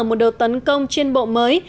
một đợt tấn công trên bộ mới